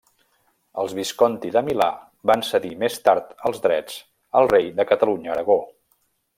Els Visconti de Milà van cedir més tard els drets al rei de Catalunya-Aragó.